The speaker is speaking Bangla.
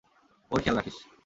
ওর খেয়াল রাখিস।